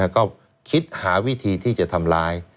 ก็คิดหาวิธีที่จะทำร้าย